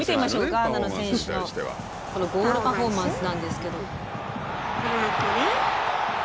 ガーナの選手のゴールパフォーマンスなんですけど。